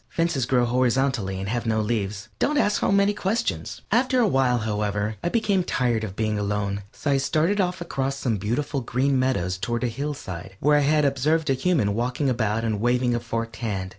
Fences grow horizontally and have no leaves. Don't ask so many questions! After a while, however, I became tired of being alone, so I started off across some beautiful green meadows toward a hillside, where I had observed a human walking about and waving a forked wand.